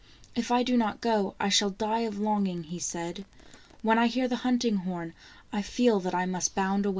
" If I do not go, I shall die of longing," he said. "When I hear the hunting horn, I feel that I must bound away."